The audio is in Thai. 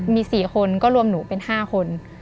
มี๔คนก็รวมหนูเป็น๕คน